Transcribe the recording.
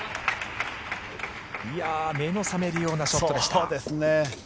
目の覚めるようなショットでした。